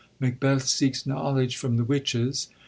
Macbeth seeks knowledge from the witches.